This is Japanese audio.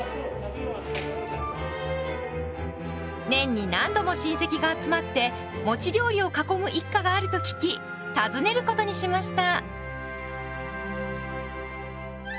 年に何度も親戚が集まってもち料理を囲む一家があると聞き訪ねることにしました。